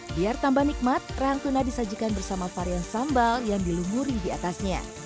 biar tambah nikmat rahang tuna disajikan bersama varian sambal yang dilumuri diatasnya